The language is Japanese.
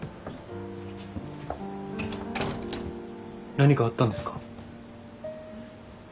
何かあったんですか？